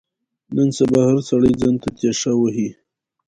نن سبا هر سړی ځان ته تېشه وهي.